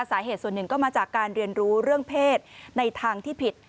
สาเหตุส่วนหนึ่งก็มาจากการเรียนรู้เรื่องเพศในทางที่ผิด